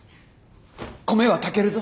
米は炊けるぞ！